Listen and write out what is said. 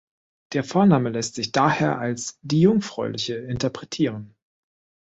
Der Vorname lässt sich daher als "die Jungfräuliche" interpretieren.